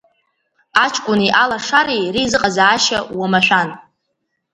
Аҷкәыни алашареи реизыҟазаашьа уамашәан.